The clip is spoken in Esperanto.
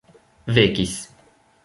vekis